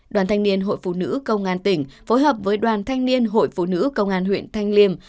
đoàn thanh niên hội phụ nữ công an tỉnh phối hợp với đoàn thanh niên hội phụ nữ công an huyện thanh liêm